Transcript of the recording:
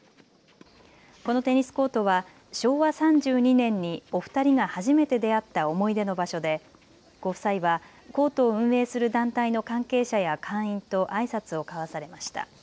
このテニスコートは昭和３２年にお二人が初めて出会った思い出の場所でご夫妻はコートを運営する団体の関係者や会員とあいさつを交わされました。